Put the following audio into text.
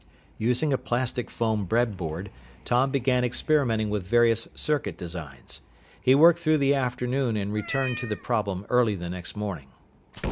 Using a plastic foam "breadboard," Tom began experimenting with various circuit designs. He worked through the afternoon and returned to the problem early the next morning.